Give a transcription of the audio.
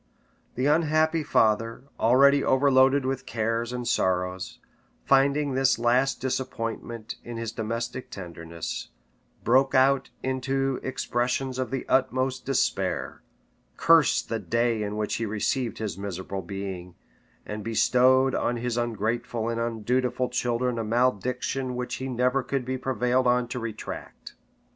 The unhappy father, already overloaded with cares and sorrows, finding this last disappointment in his domestic tenderness, broke out into expressions of the utmost despair, cursed the day in which he received his miserable being, and bestowed on his ungrateful and undutiful children a malediction which he never could be prevailed on to retract.